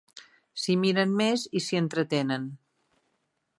S'hi miren més, i s'hi entretenen.